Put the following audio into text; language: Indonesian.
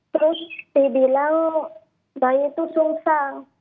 terus dibilang bayi itu susah